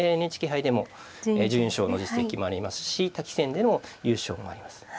ＮＨＫ杯でも準優勝の実績もありますし他棋戦での優勝もあります。